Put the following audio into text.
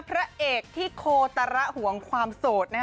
พระเอกที่โคตระห่วงความโสดนะฮะ